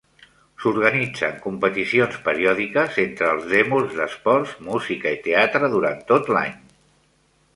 S'organitzen competicions periòdiques entre els Demos d'esports, música i teatre durant tot l'any.